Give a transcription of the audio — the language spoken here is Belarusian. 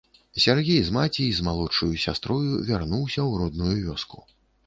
Сяргей з маці і з малодшаю сястрою вярнуліся ў родную вёску.